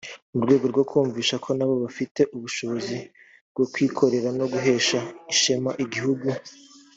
mu rwego rwo kubumvisha ko nabo bafite ubushobozi bwo kwikorera no guhesha ishema igihugu